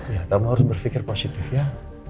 ya kamu harus berpikir positif ya